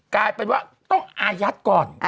กลายเป็นว่าต้องอายัดก่อน